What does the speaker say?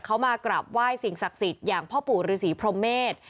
เขามากราบไหว้สิ่งศักดิ์สิทธิ์อย่างพ่อปู่ฤษีพรหมเมษ